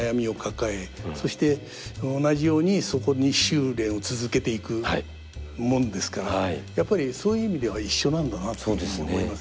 そして同じようにそこに修練を続けていくものですからやっぱりそういう意味では一緒なんだなっていうふうに思いますね。